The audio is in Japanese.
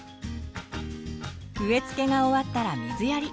植えつけが終わったら水やり。